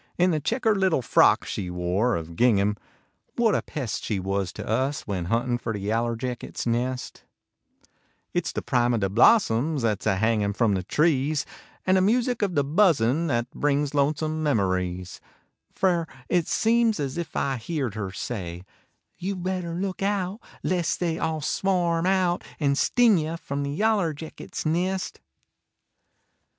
In the checkered little frock she wore Of gingham, what a pest She was to us when huntin fer The yaller jackets nest. 777/i YALLER JACKETS NEST 29 It s the prime of the blossoms At s a hangin from the trees An the music of the bu/./.in At brings lonesome memories, Fer it seems as if I heerd her say " You better look out, lest They all swarm out and sting yeh From the yaller jackets nest."